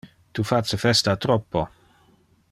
Tu face festa troppo.